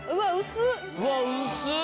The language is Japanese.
うわ薄っ！